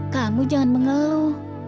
kamu jangan mengeluh